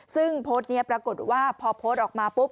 ซึ่งโพสต์นี้ปรากฏว่าพอโพสต์ออกมาปุ๊บ